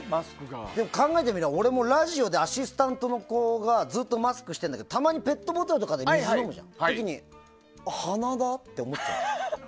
考えてみればラジオでアシスタントの子がずっとマスクしてるんだけどたまにペットボトルとかで水飲むときにあ、鼻だって思っちゃう。